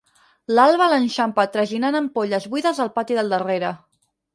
L'alba l'ha enxampat traginant ampolles buides al pati del darrere.